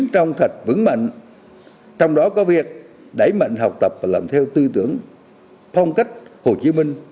trong sạch vững mạnh trong đó có việc đẩy mạnh học tập và làm theo tư tưởng phong cách hồ chí minh